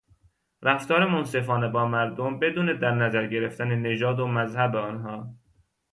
رفتار منصفانه با مردم بدون درنظر گرفتن نژاد و مذهب آنها